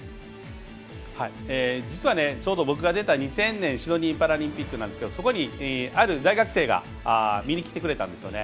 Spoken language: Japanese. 実は、ちょうど僕が出た２０００年のシドニーパラリンピックなんですけがそこにある大学生が見に来てくれたんですよね。